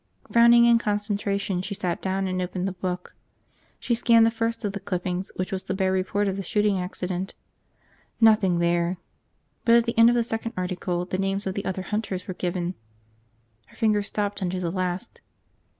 Frowning in concentration, she sat down and opened the book. She scanned the first of the clippings which was the bare report of the shooting accident. Nothing there. But at the end of the second article the names of the other hunters were given. Her finger stopped under the last.